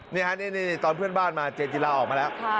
นี่ฮะนี่ตอนเพื่อนบ้านมาเจนจิลาออกมาแล้ว